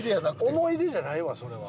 想い出じゃないわそれは。